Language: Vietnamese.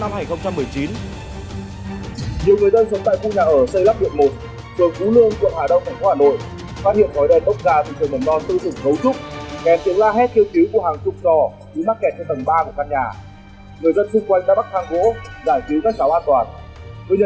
nhiều người dân sống tại khu nhà ở sây lắp điện một trường cú lương quận hà đông thành phố hà nội phát hiện khói đầy tốc ra từ trường mầm non tư dụng cấu trúc kèm tiếng la hét kêu cứu của hàng trục trò bị mắc kẹt trên tầng ba của căn nhà